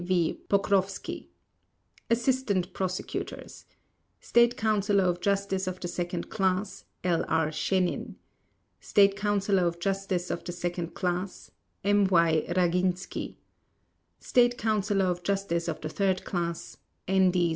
V. Pokrovsky ASSISTANT PROSECUTORS: State Counsellor of Justice of the 2nd Class, L. R. Shenin State Counsellor of Justice of the 2nd Class, M. Y. Raginsky State Counsellor of Justice of the 3rd Class, N. D.